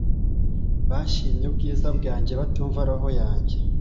bashimye ubwiza bwanjye batumva roho yanjye